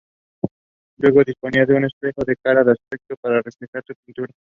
Luego, disponía un espejo, de cara al espectador, que reflejaba su pintura.